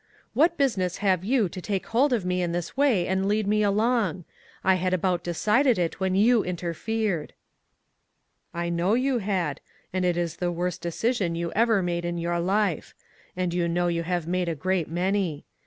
"What business have you to take hold of me in this way and and lead me along? I had about decided it when you interfered." " I know you had ; and it is the worst decision you ever made in your life ; and you know you have made a great many.